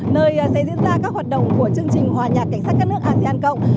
nơi sẽ diễn ra các hoạt động của chương trình hòa nhạc cảnh sát các nước asean cộng